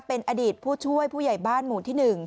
เป็นอดีตผู้ช่วยผู้ใหญ่บ้านหมู่ที่๑